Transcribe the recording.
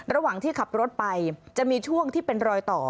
ระหว่างที่ขับรถไปจะมีช่วงที่เป็นรอยต่อ